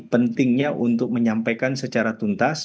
pentingnya untuk menyampaikan secara tuntas